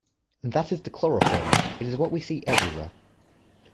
And that is the chloroform; it is what we see everywhere.